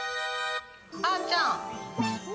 あーちゃん。